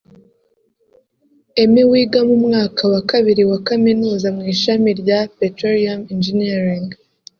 Emmy wiga mu mwaka wa kabiri wa Kaminuza mu ishami rya Petroleum Engineering